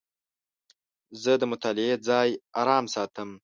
زه د مطالعې ځای آرام ساتم.